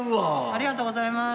ありがとうございます。